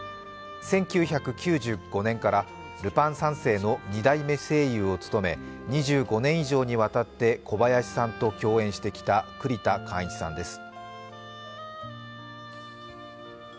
１９９５年から「ルパン三世」の二代目声優を務め、２５年以上にわたって小林さんと共演してきた栗田貫一さんです。